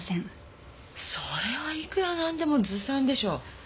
それはいくらなんでもずさんでしょ。